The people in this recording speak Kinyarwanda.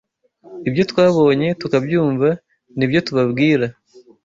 Ibyo twabonye tukabyumva ni byo tubabwira